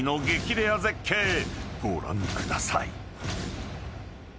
レア絶景ご覧ください］